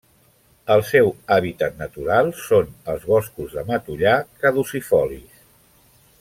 El seu hàbitat natural són els boscos de matollar caducifolis.